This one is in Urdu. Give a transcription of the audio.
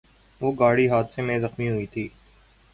وہ گاڑی کے حادثے میں زخمی ہوئی تھی